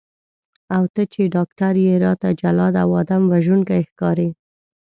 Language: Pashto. او ته چې ډاکټر یې راته جلاد او آدم وژونکی ښکارې.